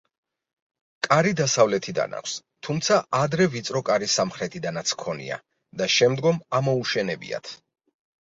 კარი დასავლეთიდან აქვს, თუმცა ადრე ვიწრო კარი სამხრეთიდანაც ჰქონია და შემდგომ ამოუშენებიათ.